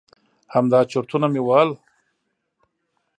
همدا چرتونه مې وهل.